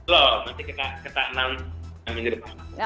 belum nanti kita enam menit depan